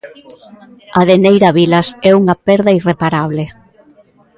A de Neira Vilas é unha perda irreparable.